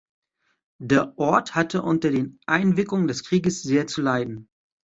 Der Ort hatte unter den Einwirkungen des Krieges sehr zu leiden.